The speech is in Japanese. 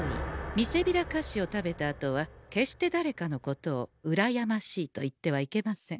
みせびら菓子を食べたあとは決してだれかのことを「うらやましい」と言ってはいけません。